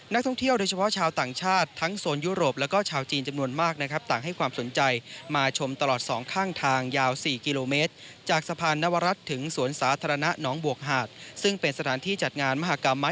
นักท่องเที่ยวโดยเฉพาะชาวต่างชาติทั้งโซนยุโรปแล้วก็ชาวจีนจำนวนมากนะครับต่างให้ความสนใจมาชมตลอดสองข้างทางยาว๔กิโลเมตรจากสะพานนวรัฐถึงสวนสาธารณะหนองบวกหาดซึ่งเป็นสถานที่จัดงานมหากรรม